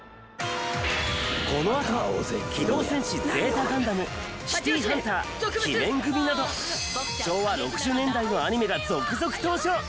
このあと『機動戦士Ｚガンダム』『シティーハンター』『奇面組』など昭和６０年代のアニメが続々登場！